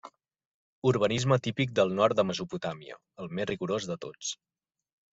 Urbanisme típic del nord de Mesopotàmia, el més rigorós de tots.